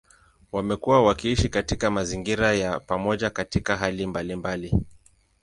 Wamekuwa wakiishi katika mazingira ya pamoja katika hali mbalimbali.